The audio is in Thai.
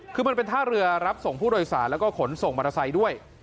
คือมันเป็นท่าเรือรับส่งผู้โดยสารแล้วก็ขนส่งมอเตอร์ไซค์ด้วย